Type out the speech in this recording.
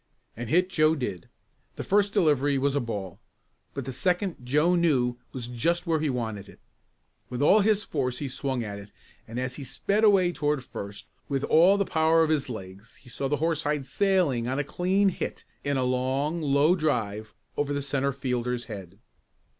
And hit Joe did. The first delivery was a ball, but the second Joe knew was just where he wanted it. With all his force he swung at it and as he sped away toward first, with all the power of his legs he saw the horsehide sailing on a clean hit in a long, low drive over the centre fielder's head.